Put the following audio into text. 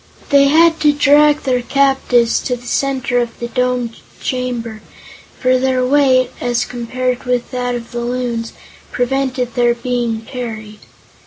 They had to drag their captives to the center of the domed chamber, for their weight, as compared with that of the Loons, prevented their being carried.